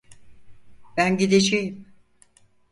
Ben gideceğim.